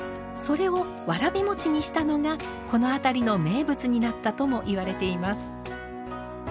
それをわらび餅にしたのがこの辺りの名物になったともいわれています。